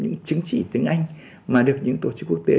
những chứng chỉ tiếng anh mà được những tổ chức quốc tế